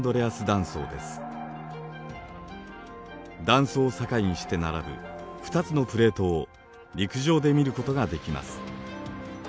断層を境にして並ぶ２つのプレートを陸上で見ることができます。